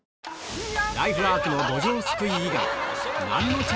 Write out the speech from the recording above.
ライフワークのどじょうすくい以外よっしゃ！